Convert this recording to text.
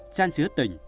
chan chứa tình